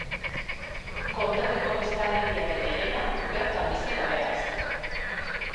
Konderriko biztanleriaren herena bertan bizi da beraz.